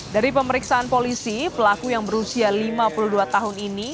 dari pemeriksaan polisi pelaku yang berusia lima puluh dua tahun ini